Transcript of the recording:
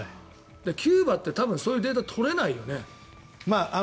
キューバってそういうデータ取れないよね。